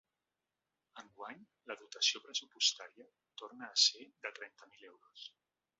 Enguany, la dotació pressupostària torna a ser de trenta mil euros.